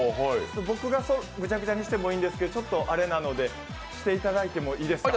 僕がぐちゃぐちゃにしてもいいんですけど、ちょっとあれなのでしていただいてもいいですか？